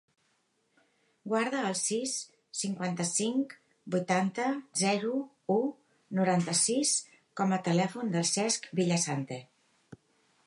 Guarda el sis, cinquanta-cinc, vuitanta, zero, u, noranta-sis com a telèfon del Cesc Villasante.